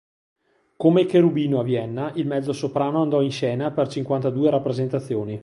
Come Cherubino a Vienna il mezzosoprano andò in scena per cinquantadue rappresentazioni.